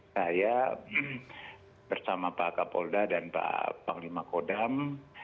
saya bersama pak kapolda dan pak panglima kodam